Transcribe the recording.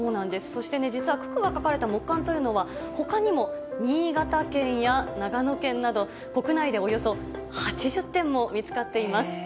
そして、実は九九が書かれた木簡というのは、ほかにも新潟県や長野県など、国内でおよそ８０点も見つかっています。